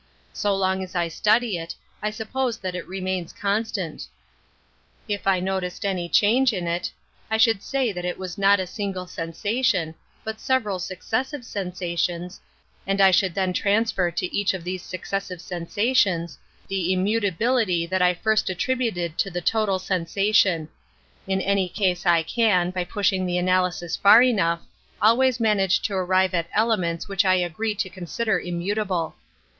So long as I study it, I suppose that it remains constant. If I noticed any 44 An Introduction to change in it, I should say that it was not a single sensation but several successive sensations, and I should then transfer to each of these successive sensations the im mufabiiity that I first attributed to the total sensation. In any case I can, by pushing the analysis far enough, always manage to arrive at elements which I agree to consider immutable.